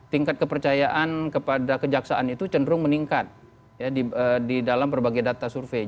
tingkat kepercayaan kepada kejaksaan itu cenderung meningkat di dalam berbagai data survei